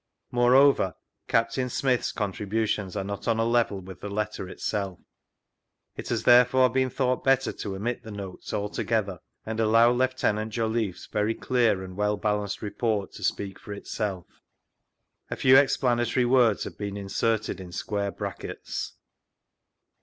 Moreover, Captain Smyth's contributions are not on a level with the letter itself. It has tberefore been thought better to omit the Notes altogjether, and allow Lieut. Jolliffe's very clear and well balanced report to speak for itself. A fewiexplana tory words have been inserted in square brackets.